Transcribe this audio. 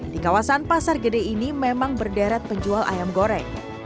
di kawasan pasar gede ini memang berderet penjual ayam goreng